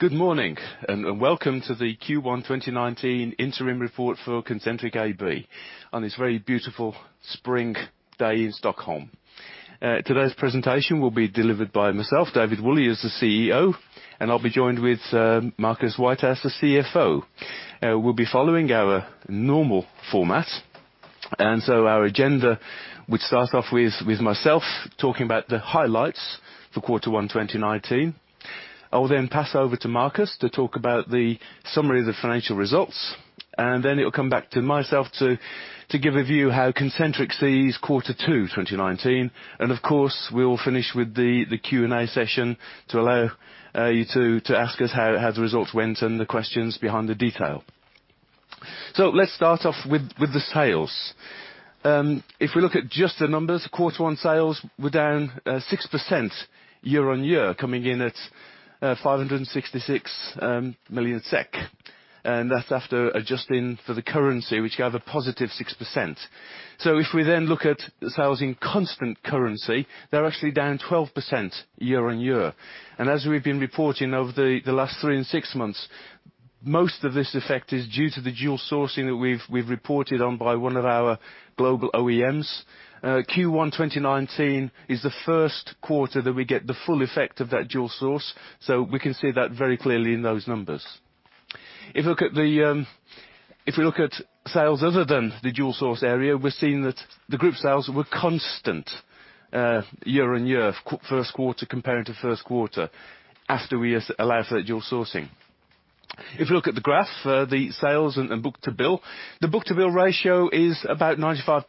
Good morning, welcome to the Q1 2019 interim report for Concentric AB on this very beautiful spring day in Stockholm. Today's presentation will be delivered by myself, David Woolley, as the CEO, I will be joined with Marcus Whitehouse as the CFO. We will be following our normal format, our agenda, which starts off with myself talking about the highlights for quarter one 2019. I will pass over to Marcus to talk about the summary of the financial results, it will come back to myself to give a view how Concentric sees quarter two 2019. Of course, we will finish with the Q&A session to allow you to ask us how the results went and the questions behind the detail. Let's start off with the sales. If we look at just the numbers, quarter one sales were down 6% year-on-year, coming in at 566 million SEK, that's after adjusting for the currency, which gave a positive 6%. If we look at sales in constant currency, they are actually down 12% year-on-year. As we have been reporting over the last 3 and 6 months, most of this effect is due to the dual sourcing that we have reported on by one of our global OEMs. Q1 2019 is the first quarter that we get the full effect of that dual source, we can see that very clearly in those numbers. If we look at sales other than the dual source area, we are seeing that the group sales were constant year-on-year, first quarter comparing to first quarter, after we allow for that dual sourcing. If you look at the graph, the sales and book to bill, the book to bill ratio is about 95%.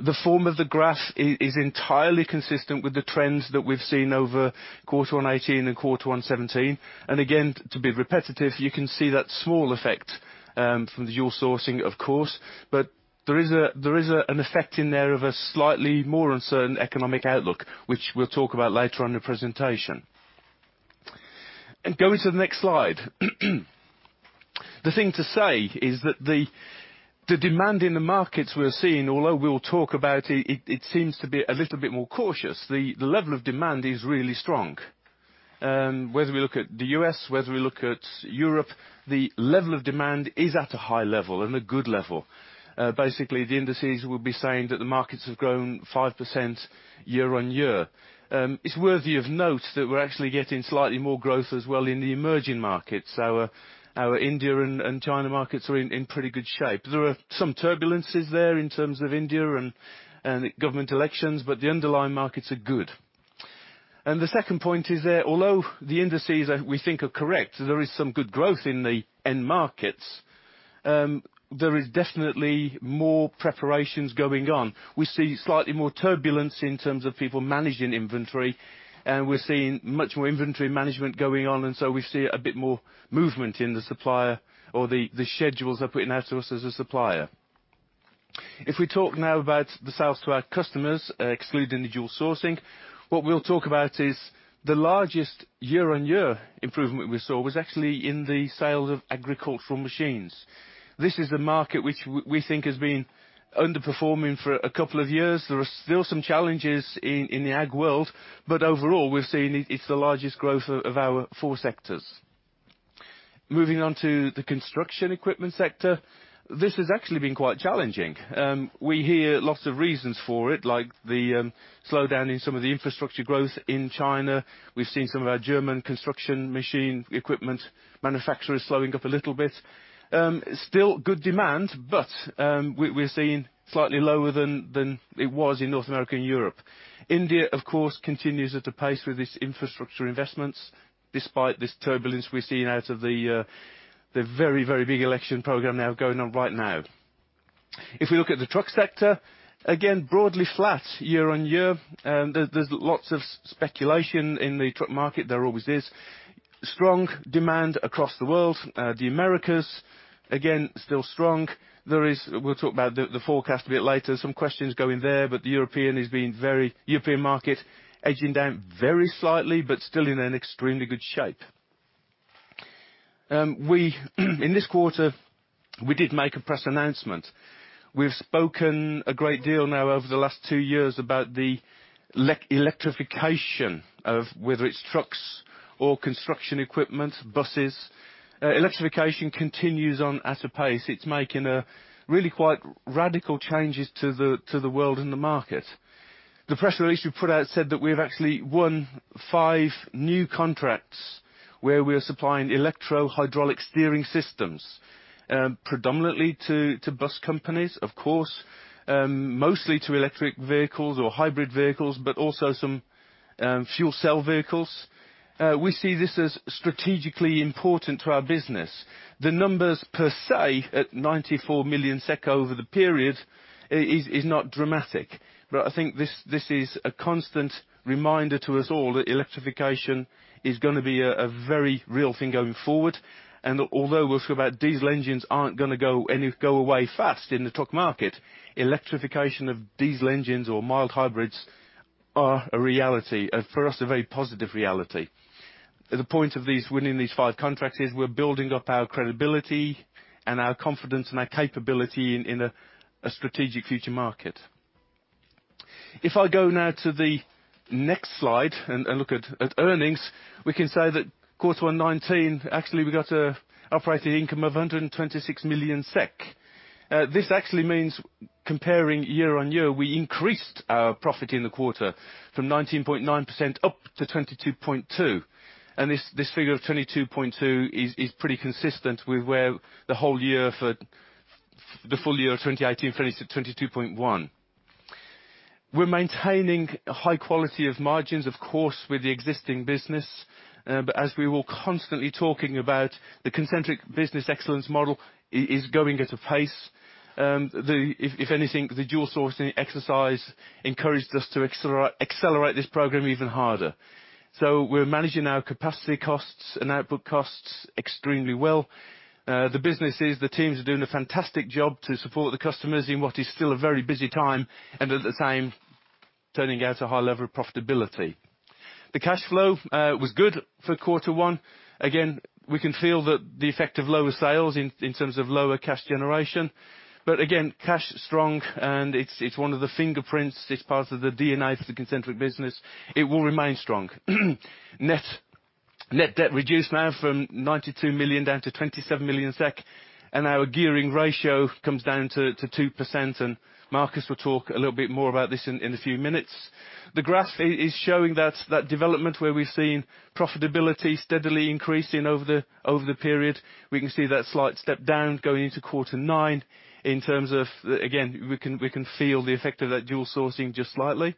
The form of the graph is entirely consistent with the trends that we have seen over quarter one 2018 and quarter 1 2017. Again, to be repetitive, you can see that small effect from the dual sourcing, of course. There is an effect in there of a slightly more uncertain economic outlook, which we will talk about later on in the presentation. Going to the next slide. The thing to say is that the demand in the markets we are seeing, although we will talk about it seems to be a little bit more cautious. The level of demand is really strong. Whether we look at the U.S., whether we look at Europe, the level of demand is at a high level and a good level. The indices will be saying that the markets have grown 5% year-on-year. It is worthy of note that we are actually getting slightly more growth as well in the emerging markets. Our India and China markets are in pretty good shape. There are some turbulences there in terms of India and government elections, but the underlying markets are good. The second point is that although the indices we think are correct, there is some good growth in the end markets, there is definitely more preparations going on. We see slightly more turbulence in terms of people managing inventory, we are seeing much more inventory management going on, we see a bit more movement in the supplier or the schedules they are putting out to us as a supplier. If we talk now about the sales to our customers, excluding the dual sourcing, what we'll talk about is the largest year-on-year improvement we saw was actually in the sales of agricultural machines. This is a market which we think has been underperforming for a couple of years. There are still some challenges in the ag world, but overall, we're seeing it's the largest growth of our four sectors. Moving on to the construction equipment sector, this has actually been quite challenging. We hear lots of reasons for it, like the slowdown in some of the infrastructure growth in China. We've seen some of our German construction machine equipment manufacturers slowing up a little bit. Still good demand, but we're seeing slightly lower than it was in North America and Europe. India, of course, continues at a pace with its infrastructure investments, despite this turbulence we're seeing out of the very big election program now going on right now. If we look at the truck sector, again, broadly flat year-on-year. There's lots of speculation in the truck market. There always is. Strong demand across the world. The Americas, again, still strong. We'll talk about the forecast a bit later. Some questions going there, but the European market edging down very slightly, but still in an extremely good shape. In this quarter, we did make a press announcement. We've spoken a great deal now over the last 2 years about the electrification of whether it's trucks or construction equipment, buses. Electrification continues on at a pace. It's making really quite radical changes to the world and the market. The press release we put out said that we have actually won five new contracts where we are supplying electro-hydraulic steering systems predominantly to bus companies, of course. Mostly to electric vehicles or hybrid vehicles, but also some fuel cell vehicles. We see this as strategically important to our business. The numbers per se, at 94 million SEK over the period, is not dramatic. I think this is a constant reminder to us all that electrification is going to be a very real thing going forward. Although we'll talk about diesel engines aren't going to go away fast in the truck market, electrification of diesel engines or mild hybrids are a reality, for us, a very positive reality. The point of winning these five contracts is we're building up our credibility and our confidence and our capability in a strategic future market. If I go now to the next slide and look at earnings, we can say that quarter one, actually, we got operating income of 126 million SEK. This actually means comparing year-on-year, we increased our profit in the quarter from 19.9% up to 22.2%. This figure of 22.2% is pretty consistent with where the full year of 2018 finished at 22.1%. We're maintaining a high quality of margins, of course, with the existing business. As we were constantly talking about, the Concentric Business Excellence program is going at a pace. If anything, the dual sourcing exercise encouraged us to accelerate this program even harder. We're managing our capacity costs and output costs extremely well. The businesses, the teams are doing a fantastic job to support the customers in what is still a very busy time, and at the same, turning out a high level of profitability. The cash flow was good for quarter one. Again, we can feel that the effect of lower sales in terms of lower cash generation. Cash strong, and it's one of the fingerprints. It's part of the DNA for the Concentric business. It will remain strong. Net debt reduced now from 92 million down to 27 million SEK, and our gearing ratio comes down to 2%. Marcus will talk a little bit more about this in a few minutes. The graph is showing that development where we're seeing profitability steadily increasing over the period. We can see that slight step down going into quarter one in terms of, again, we can feel the effect of that dual sourcing just slightly.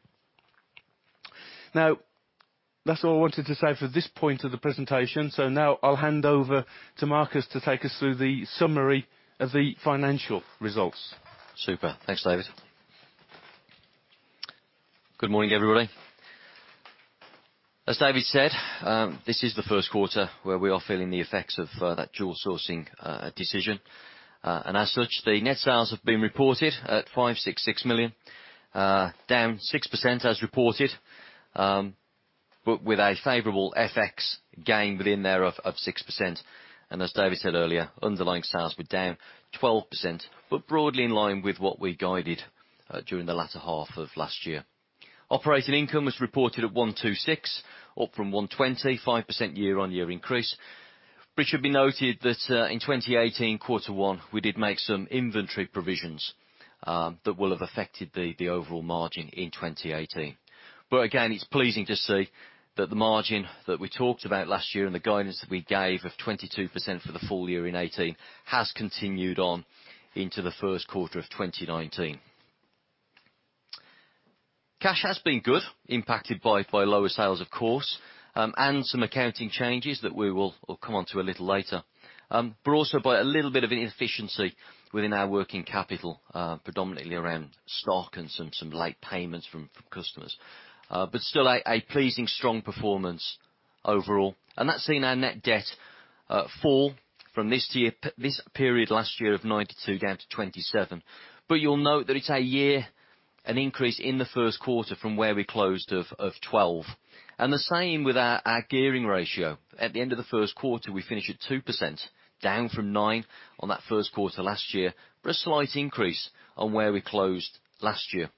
That's all I wanted to say for this point of the presentation. I'll hand over to Marcus to take us through the summary of the financial results. Super. Thanks, David. Good morning, everybody. As David said, this is the first quarter where we are feeling the effects of that dual sourcing decision. The net sales have been reported at 566 million, down 6% as reported, with a favorable FX gain within there of 6%. Underlying sales were down 12%, broadly in line with what we guided during the latter half of last year. Operating income was reported at 126 million, up from 125% year-on-year increase, which should be noted that in 2018, quarter one, we did make some inventory provisions that will have affected the overall margin in 2018. It's pleasing to see that the margin that we talked about last year and the guidance that we gave of 22% for the full year in 2018 has continued on into the first quarter of 2019. Cash has been good, impacted by lower sales, of course, and some accounting changes that we will come onto a little later. Also by a little bit of inefficiency within our working capital, predominantly around stock and some late payments from customers. Still a pleasing strong performance overall. That's seen our net debt fall from this period last year of 92 million down to 27 million. It's a year, an increase in the first quarter from where we closed of 12 million. The same with our gearing ratio. At the end of the first quarter, we finish at 2%, down from 9% on that first quarter last year, a slight increase on where we closed last year.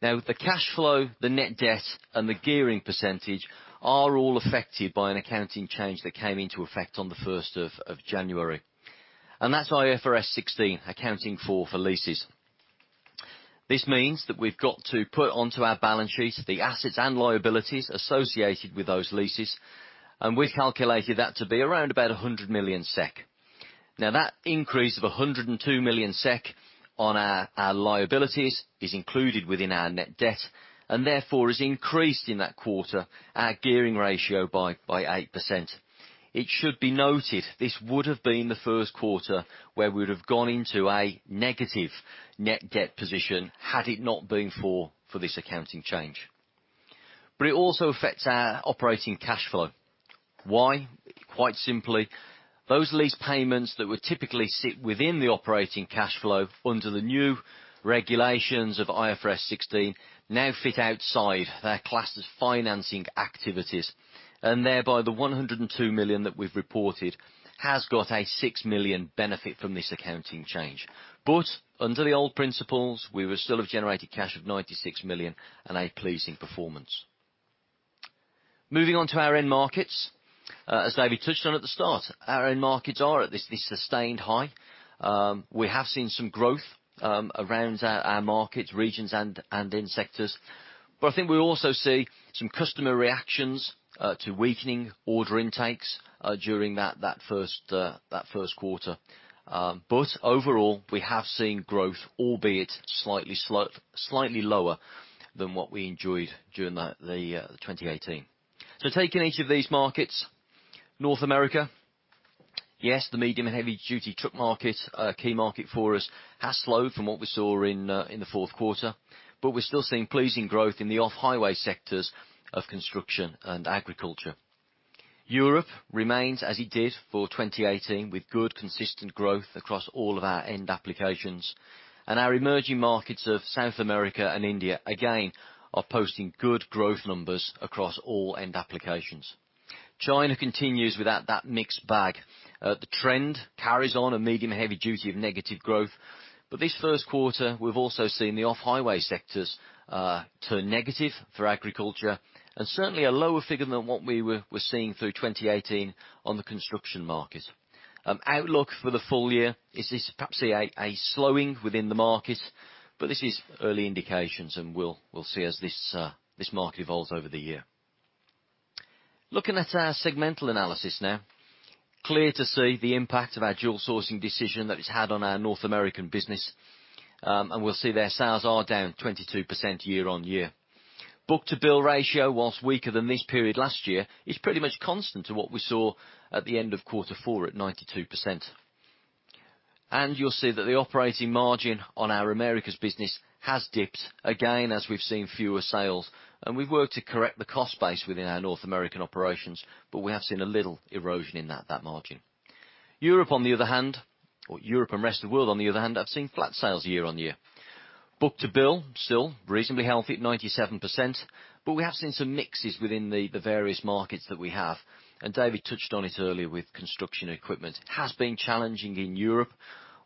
The cash flow, the net debt, and the gearing percentage are all affected by an accounting change that came into effect on the 1st of January. That's IFRS 16, accounting for leases. This means that we've got to put onto our balance sheet the assets and liabilities associated with those leases, and we calculated that to be around about 100 million SEK. That increase of 102 million SEK on our liabilities is included within our net debt, and therefore has increased in that quarter our gearing ratio by 8%. It should be noted, this would have been the first quarter where we would have gone into a negative net debt position had it not been for this accounting change. It also affects our operating cash flow. Why? Quite simply, those lease payments that would typically sit within the operating cash flow under the new regulations of IFRS 16 now fit outside. They're classed as financing activities, thereby the 102 million that we've reported has got a 6 million benefit from this accounting change. Under the old principles, we would still have generated cash of 96 million and a pleasing performance. Moving on to our end markets. As David touched on at the start, our end markets are at this sustained high. We have seen some growth around our markets, regions, and in sectors. I think we also see some customer reactions to weakening order intakes during that first quarter. Overall, we have seen growth, albeit slightly lower than what we enjoyed during 2018. Taking each of these markets, North America. The medium and heavy duty truck market, a key market for us, has slowed from what we saw in the fourth quarter, we're still seeing pleasing growth in the off-highway sectors of construction and agriculture. Europe remains as it did for 2018, with good, consistent growth across all of our end applications. Our emerging markets of South America and India, again, are posting good growth numbers across all end applications. China continues with that mixed bag. The trend carries on a medium and heavy duty of negative growth. This first quarter, we've also seen the off-highway sectors turn negative for agriculture, and certainly a lower figure than what we were seeing through 2018 on the construction market. Outlook for the full year is perhaps a slowing within the market, this is early indications, we'll see as this market evolves over the year. Looking at our segmental analysis now. Clear to see the impact of our dual sourcing decision that it's had on our North American business, we'll see their sales are down 22% year-on-year. Book to bill ratio, whilst weaker than this period last year, is pretty much constant to what we saw at the end of quarter four at 92%. You'll see that the operating margin on our Americas business has dipped again, as we've seen fewer sales, we've worked to correct the cost base within our North American operations, we have seen a little erosion in that margin. Europe, on the other hand, or Europe and rest of the world, on the other hand, have seen flat sales year-on-year. Book to bill still reasonably healthy at 97%, we have seen some mixes within the various markets that we have. David touched on it earlier with construction equipment, has been challenging in Europe.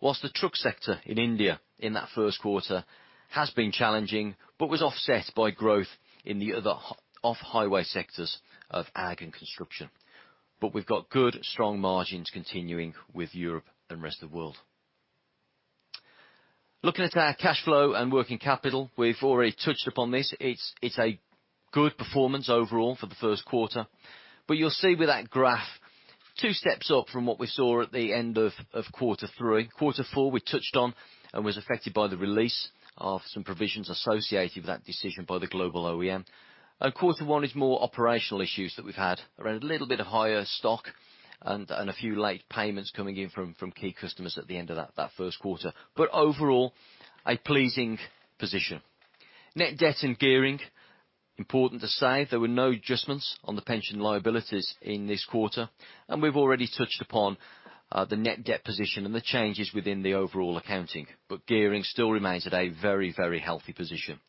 Whilst the truck sector in India in that first quarter has been challenging, but was offset by growth in the other off-highway sectors of ag and construction. We've got good, strong margins continuing with Europe and rest of the world. Looking at our cash flow and working capital, we've already touched upon this. It is a good performance overall for the first quarter. You will see with that graph, two steps up from what we saw at the end of quarter three. Quarter four, we touched on and was affected by the release of some provisions associated with that decision by the global OEM. Quarter one is more operational issues that we've had around a little bit of higher stock and a few late payments coming in from key customers at the end of that first quarter. Overall, a pleasing position. Net debt and gearing, important to say there were no adjustments on the pension liabilities in this quarter, and we've already touched upon the net debt position and the changes within the overall accounting. Gearing still remains at a very healthy position.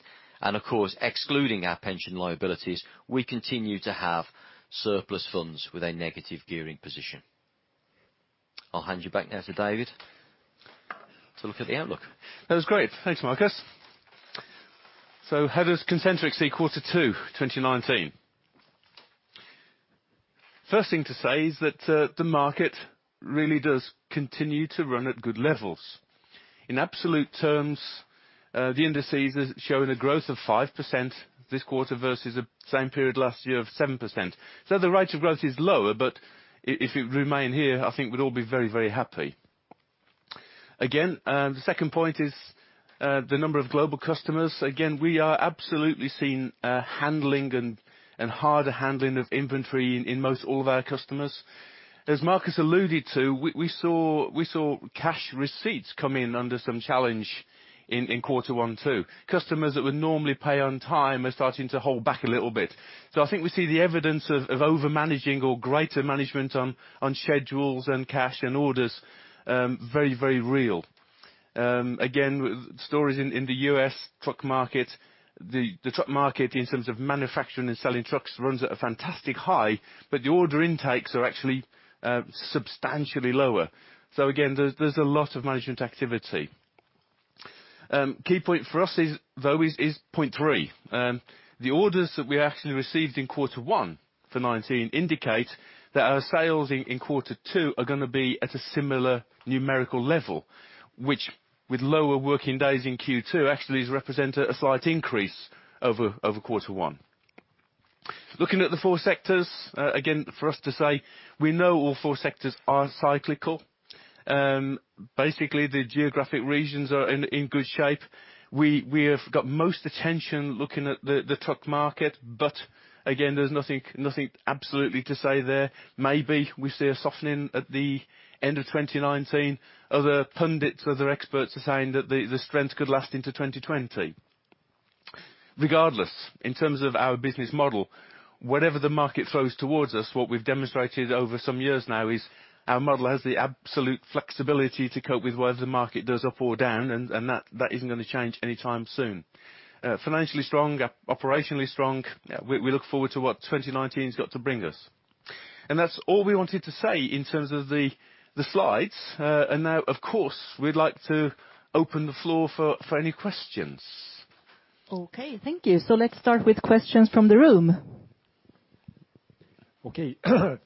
Of course, excluding our pension liabilities, we continue to have surplus funds with a negative gearing position. I will hand you back now to David to look at the outlook. That was great. Thanks, Marcus. How does Concentric see quarter two 2019? First thing to say is that the market really does continue to run at good levels. In absolute terms, the indices is showing a growth of 5% this quarter versus the same period last year of 7%. The rate of growth is lower, but if it remain here, I think we would all be very happy. Again, the second point is the number of global customers. Again, we are absolutely seeing a handling and harder handling of inventory in most all of our customers. As Marcus alluded to, we saw cash receipts come in under some challenge in quarter one too. Customers that would normally pay on time are starting to hold back a little bit. I think we see the evidence of overmanaging or greater management on schedules and cash and orders very real. Again, stories in the U.S. truck market, the truck market in terms of manufacturing and selling trucks runs at a fantastic high, but the order intakes are actually substantially lower. Again, there is a lot of management activity. Key point for us, though, is point 3. The orders that we actually received in quarter one for 2019 indicate that our sales in quarter two are going to be at a similar numerical level, which, with lower working days in Q2, actually represents a slight increase over quarter one. Looking at the four sectors, again, for us to say we know all four sectors are cyclical. Basically, the geographic regions are in good shape. We have got most attention looking at the truck market. Again, there is nothing absolutely to say there. Maybe we see a softening at the end of 2019. Other pundits, other experts are saying that the strength could last into 2020. Regardless, in terms of our business model, whatever the market throws towards us, what we've demonstrated over some years now is our model has the absolute flexibility to cope with whether the market does up or down, and that isn't going to change anytime soon. Financially strong, operationally strong. We look forward to what 2019's got to bring us. That's all we wanted to say in terms of the slides. Now, of course, we'd like to open the floor for any questions. Okay, thank you. Let's start with questions from the room. Okay.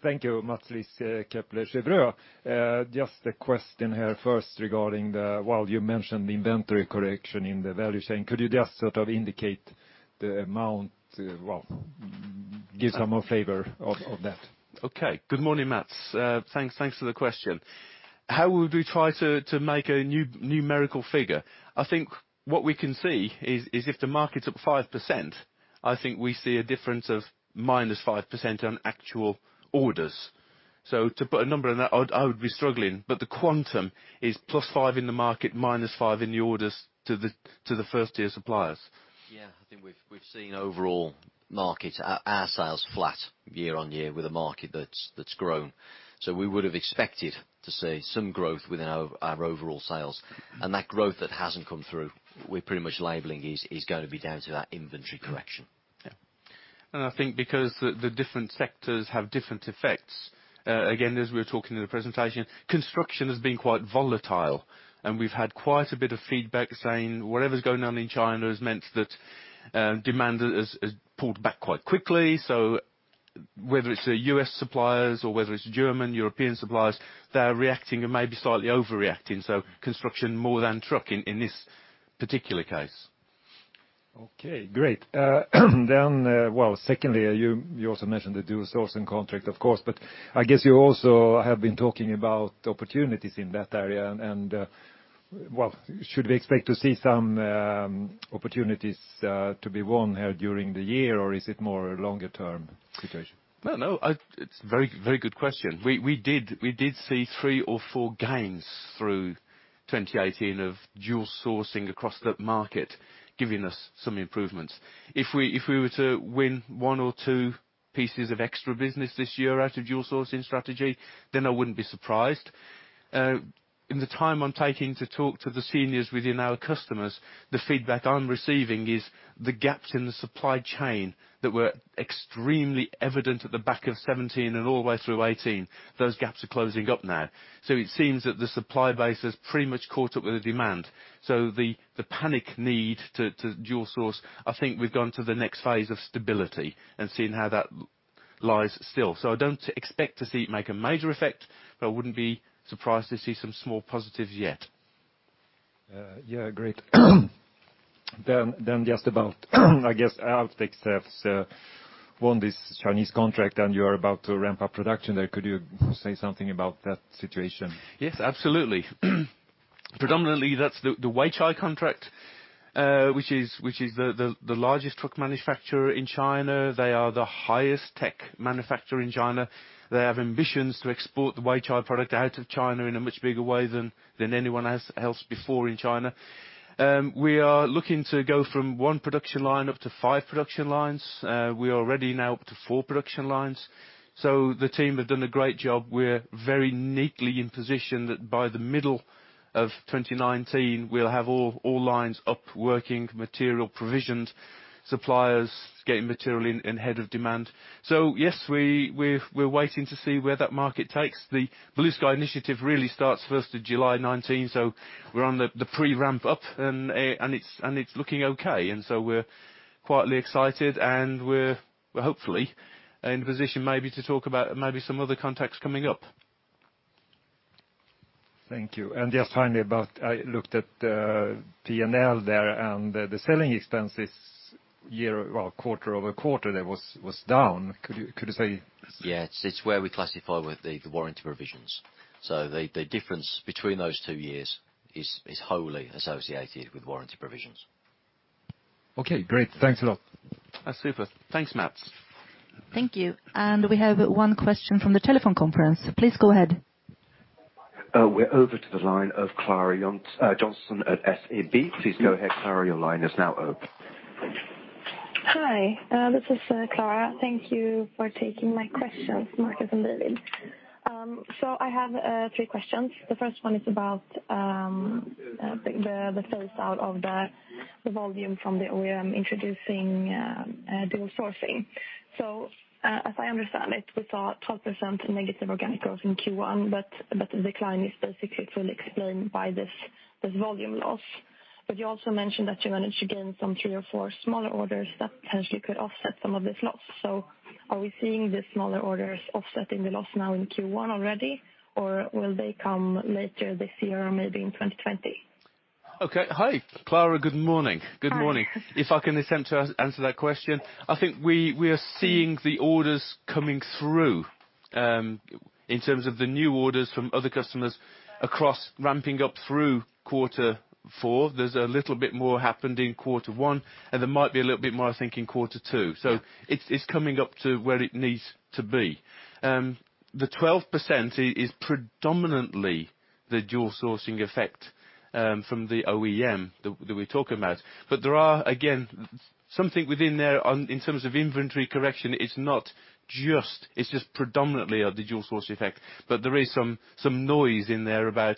Thank you, Mats Lisseke, Kepler Cheuvreux. Just a question here first regarding the, while you mentioned the inventory correction in the value chain, could you just sort of indicate the amount, give some more flavor of that? Okay. Good morning, Mats. Thanks for the question. How would we try to make a numerical figure? I think what we can see is if the market's up 5%, I think we see a difference of minus 5% on actual orders. To put a number on that, I would be struggling, but the quantum is plus five in the market, minus five in the orders to the first-tier suppliers. Yeah. I think we've seen overall market, our sales flat year-over-year with a market that's grown. We would have expected to see some growth within our overall sales. That growth that hasn't come through, we're pretty much labeling is going to be down to that inventory correction. Yeah. I think because the different sectors have different effects. Again, as we were talking in the presentation, construction has been quite volatile. We've had quite a bit of feedback saying whatever's going on in China has meant that demand has pulled back quite quickly. Whether it's the U.S. suppliers or whether it's German, European suppliers, they are reacting and maybe slightly overreacting. Construction more than trucking in this particular case. Okay, great. Secondly, you also mentioned the dual sourcing contract, of course. I guess you also have been talking about opportunities in that area. Should we expect to see some opportunities to be won here during the year? Or is it more a longer-term situation? No, it's a very good question. We did see three or four gains through 2018 of dual sourcing across that market, giving us some improvements. If we were to win one or two pieces of extra business this year out of dual sourcing strategy, I wouldn't be surprised. In the time I'm taking to talk to the seniors within our customers, the feedback I'm receiving is the gaps in the supply chain that were extremely evident at the back of 2017 and all the way through 2018. Those gaps are closing up now. It seems that the supply base has pretty much caught up with the demand. The panic need to dual source, I think we've gone to the next phase of stability and seeing how that lies still. I don't expect to see it make a major effect, but I wouldn't be surprised to see some small positives yet. Yeah, great. Just about, I guess, Alfdex won this Chinese contract, and you are about to ramp up production there. Could you say something about that situation? Yes, absolutely. Predominantly that's the Weichai contract, which is the largest truck manufacturer in China. They are the highest tech manufacturer in China. They have ambitions to export the Weichai product out of China in a much bigger way than anyone else before in China. We are looking to go from one production line up to five production lines. We are ready now up to four production lines. The team have done a great job. We're very neatly in position that by the middle of 2019, we'll have all lines up working, material provisioned, suppliers getting material in ahead of demand. Yes, we're waiting to see where that market takes. The Blue Sky initiative really starts 1st of July 2019, so we're on the pre-ramp up, and it's looking okay. We're quietly excited, and we're hopefully in position maybe to talk about maybe some other contracts coming up. Thank you. I looked at the P&L there and the selling expenses quarter-over-quarter there was down. Could you say? Yeah. It's where we classify with the warranty provisions. The difference between those two years is wholly associated with warranty provisions. Okay, great. Thanks a lot. That's super. Thanks, Mats. Thank you. We have one question from the telephone conference. Please go ahead. We're over to the line of Clara Johnson at SEB. Please go ahead, Clara, your line is now open. Hi. This is Clara. Thank you for taking my questions, Marcus and David. I have three questions. The first one is about the phase out of the volume from the OEM introducing dual sourcing. As I understand it, we saw 12% negative organic growth in Q1, the decline is basically fully explained by this volume loss. You also mentioned that you managed to gain some three or four smaller orders that potentially could offset some of this loss. Are we seeing the smaller orders offsetting the loss now in Q1 already? Will they come later this year or maybe in 2020? Okay. Hi, Clara. Good morning. Hi. Good morning. If I can attempt to answer that question, I think we are seeing the orders coming through, in terms of the new orders from other customers across ramping up through quarter four. There's a little bit more happened in quarter one, and there might be a little bit more, I think, in quarter two. It's coming up to where it needs to be. The 12% is predominantly the dual sourcing effect from the OEM that we're talking about. There are, again, something within there in terms of inventory correction. It's just predominantly the dual sourcing effect. There is some noise in there about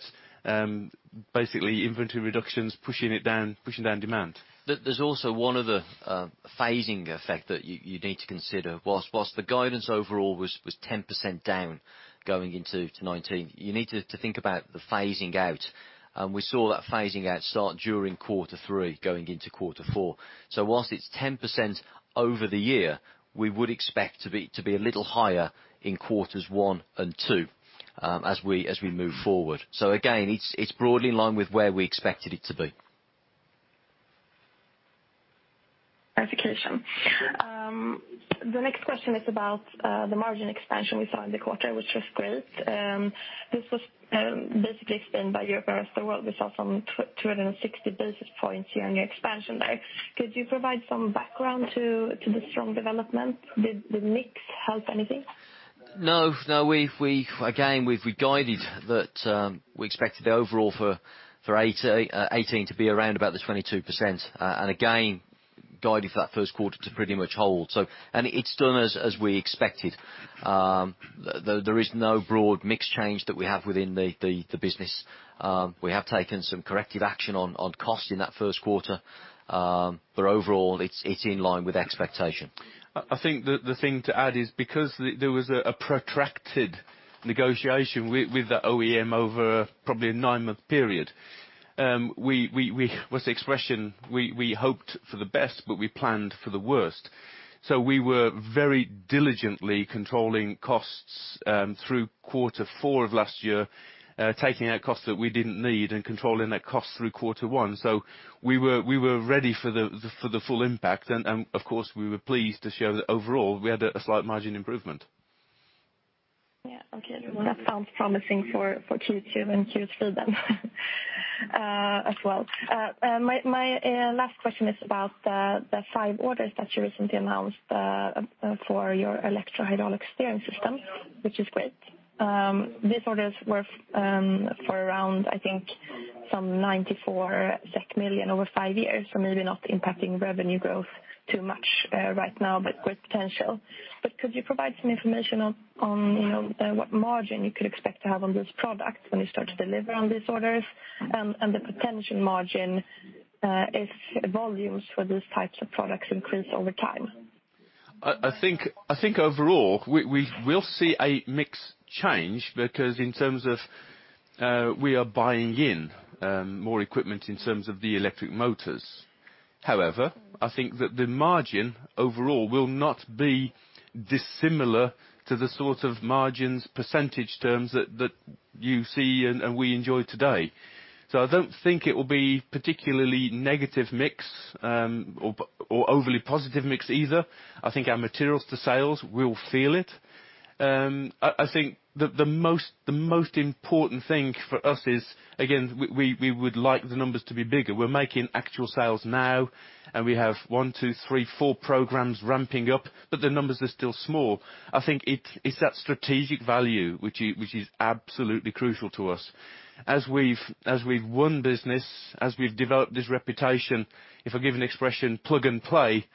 basically inventory reductions pushing down demand. There's also one other phasing effect that you need to consider. Whilst the guidance overall was 10% down going into 2019, you need to think about the phasing out. We saw that phasing out start during quarter three going into quarter four. Whilst it's 10% over the year, we would expect to be a little higher in quarters one and two as we move forward. Again, it's broadly in line with where we expected it to be. Clarification. The next question is about the margin expansion we saw in the quarter, which was great. This was basically spent by Europe and the rest of the world. We saw some 260 basis points year-over-year expansion there. Could you provide some background to the strong development? Did the mix help anything? No. Again, we've guided that we expected overall for 2018 to be around about the 22%. Again, guidance for that first quarter to pretty much hold. It's done as we expected. There is no broad mix change that we have within the business. We have taken some corrective action on cost in that first quarter. Overall, it's in line with expectation. The thing to add is because there was a protracted negotiation with the OEM over probably a nine-month period. What's the expression? We hoped for the best, but we planned for the worst. We were very diligently controlling costs through quarter four of last year, taking out costs that we didn't need and controlling that cost through quarter one. We were ready for the full impact, of course, we were pleased to show that overall, we had a slight margin improvement. Yeah. Okay. That sounds promising for Q2 and Q3 then as well. My last question is about the five orders that you recently announced for your electro-hydraulic steering system, which is great. These orders were for around, I think some 94 million SEK over five years. Maybe not impacting revenue growth too much right now, but great potential. Could you provide some information on what margin you could expect to have on those products when you start to deliver on these orders, and the potential margin, if volumes for these types of products increase over time? I think overall, we will see a mix change because in terms of we are buying in more equipment in terms of the electric motors. However, I think that the margin overall will not be dissimilar to the sort of margins, percentage terms that you see and we enjoy today. I don't think it will be particularly negative mix or overly positive mix either. I think our materials to sales will feel it. I think the most important thing for us is, again, we would like the numbers to be bigger. We're making actual sales now and we have one, two, three, four programs ramping up, the numbers are still small. I think it's that strategic value which is absolutely crucial to us. As we've won business, as we've developed this reputation, if I give an expression, plug and play,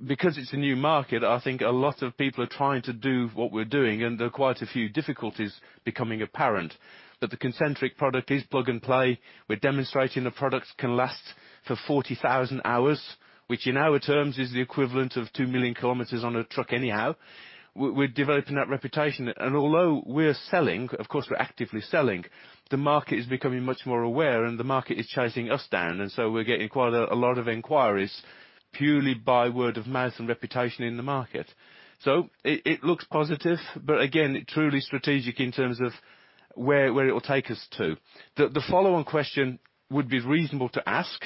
because it's a new market, I think a lot of people are trying to do what we're doing, and there are quite a few difficulties becoming apparent. The Concentric product is plug and play. We're demonstrating the product can last for 40,000 hours, which in our terms is the equivalent of two million kilometers on a truck anyhow. We're developing that reputation, although we're selling, of course we're actively selling, the market is becoming much more aware and the market is chasing us down, and so we're getting quite a lot of inquiries purely by word of mouth and reputation in the market. It looks positive, but again, truly strategic in terms of where it will take us to. The follow-on question would be reasonable to ask,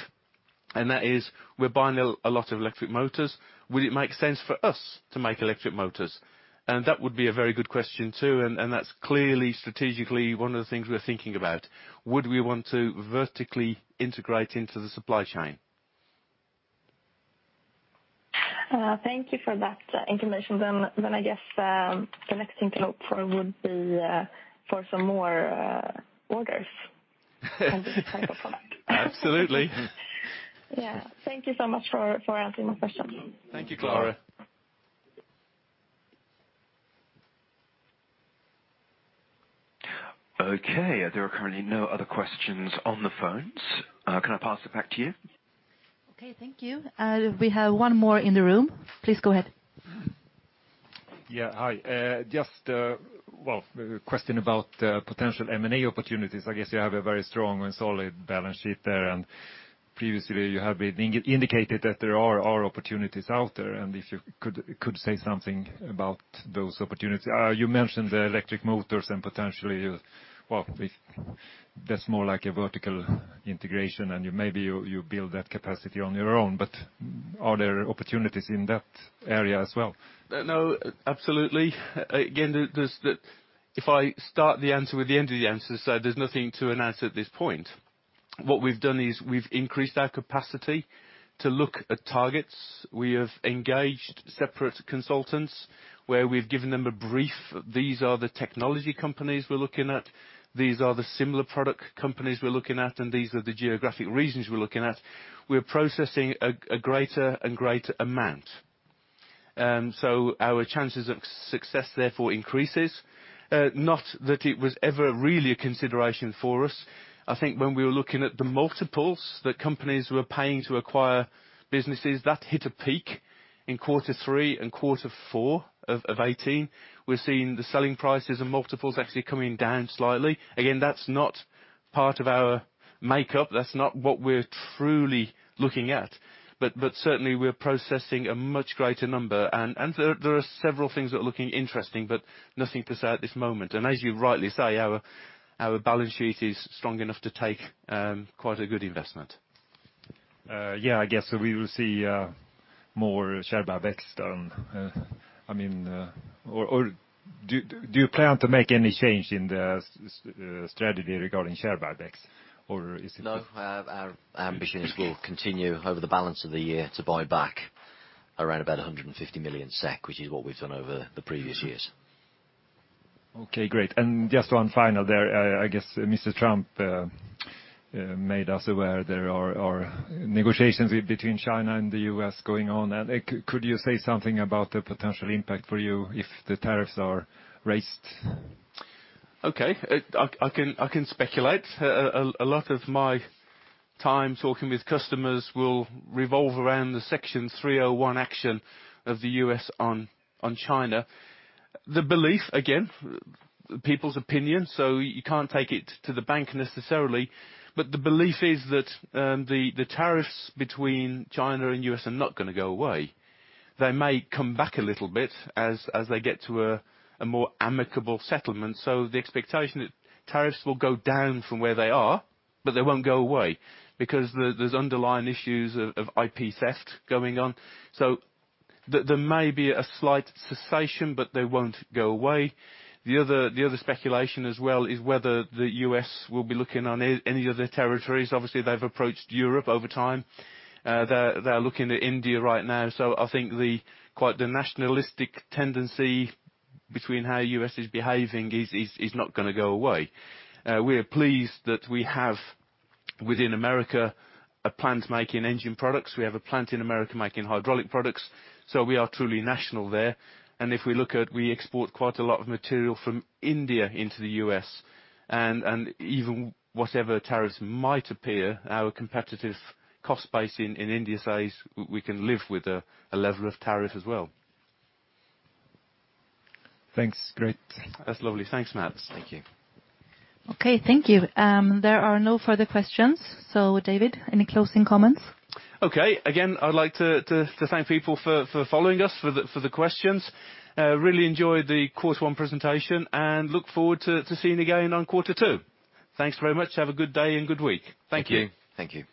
that is, we're buying a lot of electric motors. Would it make sense for us to make electric motors? That would be a very good question, too, and that's clearly strategically one of the things we're thinking about. Would we want to vertically integrate into the supply chain? Thank you for that information. I guess the next thing to look for would be for some more orders for this type of product. Absolutely. Yeah. Thank you so much for answering my question. Thank you, Clara. Okay. There are currently no other questions on the phones. Can I pass it back to you? Okay. Thank you. We have one more in the room. Please go ahead. Yeah. Hi. Just a question about potential M&A opportunities. I guess you have a very strong and solid balance sheet there. Previously you have indicated that there are opportunities out there. If you could say something about those opportunities. You mentioned the electric motors and potentially, well, that's more like a vertical integration and maybe you build that capacity on your own. Are there opportunities in that area as well? No, absolutely. Again, if I start the answer with the end of the answer, there's nothing to announce at this point. What we've done is we've increased our capacity to look at targets. We have engaged separate consultants where we've given them a brief. These are the technology companies we're looking at, these are the similar product companies we're looking at, and these are the geographic regions we're looking at. We're processing a greater and greater amount. Our chances of success therefore increases. Not that it was ever really a consideration for us. I think when we were looking at the multiples that companies were paying to acquire businesses, that hit a peak in quarter three and quarter four of 2018. We're seeing the selling prices and multiples actually coming down slightly. Again, that's not part of our makeup. That's not what we're truly looking at. Certainly, we're processing a much greater number. There are several things that are looking interesting, nothing to say at this moment. As you rightly say, our balance sheet is strong enough to take quite a good investment. Yeah, I guess we will see more share buybacks done. Or do you plan to make any change in the strategy regarding share buybacks? No, our ambitions will continue over the balance of the year to buy back around about 150 million SEK, which is what we've done over the previous years. Okay, great. Just one final there. I guess Mr. Trump made us aware there are negotiations between China and the U.S. going on. Could you say something about the potential impact for you if the tariffs are raised? Okay. I can speculate. A lot of my time talking with customers will revolve around the Section 301 action of the U.S. on China. The belief, again, people's opinion, so you can't take it to the bank necessarily, but the belief is that the tariffs between China and U.S. are not going to go away. They may come back a little bit as they get to a more amicable settlement. The expectation is tariffs will go down from where they are, but they won't go away because there's underlying issues of IP theft going on. There may be a slight cessation, but they won't go away. The other speculation as well is whether the U.S. will be looking on any other territories. Obviously, they've approached Europe over time. They're looking at India right now. I think the nationalistic tendency between how the U.S. is behaving is not going to go away. We are pleased that we have, within America, a plant making engine products. We have a plant in America making hydraulic products. We are truly national there. If we look at, we export quite a lot of material from India into the U.S. and even whatever tariffs might appear, our competitive cost base in India says we can live with a level of tariff as well. Thanks. Great. That's lovely. Thanks, Mats. Thank you. Okay, thank you. There are no further questions. David, any closing comments? Okay. Again, I'd like to thank people for following us, for the questions. Really enjoyed the quarter one presentation and look forward to seeing you again on quarter two. Thanks very much. Have a good day and good week. Thank you. Thank you.